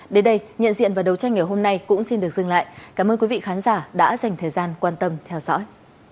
đến đây nhận diện và đấu tranh ngày hôm nay cũng xin được dừng lại cảm ơn quý vị khán giả đã dành thời gian quan tâm theo dõi